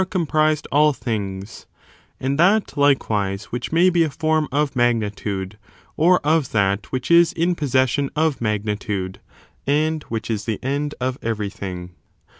^^' comprised all things, and that, likewise, which may be a form of magnitude, or of that which is in possession of magnitude, and which is the end of everything.